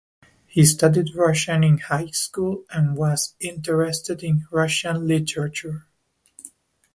He studied Russian in high school and was interested in Russian literature.